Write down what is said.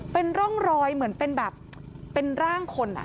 เป็นร่องรอยเหมือนเป็นแบบเป็นร่างคน